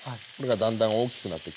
だんだん大きくなってきます。